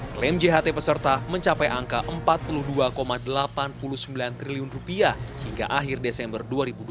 klaim jht peserta mencapai angka rp empat puluh dua delapan puluh sembilan triliun hingga akhir desember dua ribu dua puluh